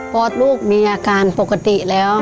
พอลูกมีอาการปกติแล้ว